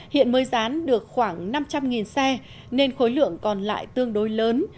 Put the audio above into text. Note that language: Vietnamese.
hiện mới dán được khoảng năm trăm linh xe nên khối lượng còn lại tương đối lớn